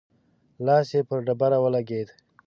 لاس يې پر ډبره ولګېد.